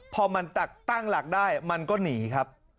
พอมันตั้งหลักได้มันก็หนีครับ